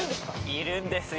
いるんですよ。